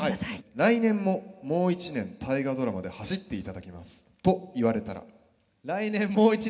「来年もう一年『大河ドラマ』で走っていただきますと言われたら」。